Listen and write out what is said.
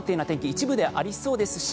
一部でありそうですし